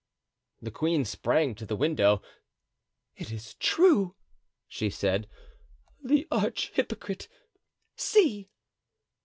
The queen sprang to the window. "It is true," she said, "the arch hypocrite—see!"